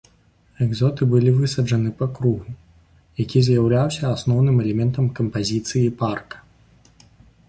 Экзоты былі высаджаны па кругу, які з'яўляўся асноўным элементам кампазіцыі парка.